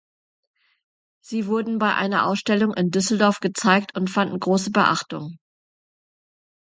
Sie wurden bei einer Ausstellung in Düsseldorf gezeigt und fanden große Beachtung.